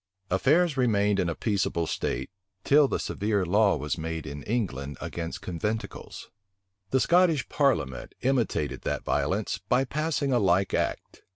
Affairs remained in a peaceable state, till the severe law was made in England against conventicles.[] The Scottish parliament imitated that violence, by passing a like act.